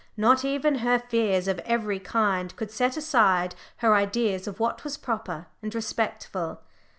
Not even her fears of every kind could set aside her ideas of what was proper and respectful.